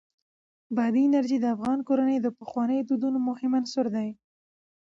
بادي انرژي د افغان کورنیو د پخوانیو دودونو مهم عنصر دی.